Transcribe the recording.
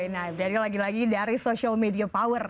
nah berarti lagi lagi dari social media power